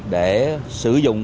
để sử dụng